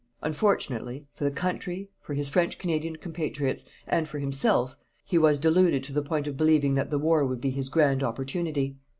Unfortunately, for the country, for his French Canadian compatriots, and for himself, he was deluded to the point of believing that the war would be his grand opportunity.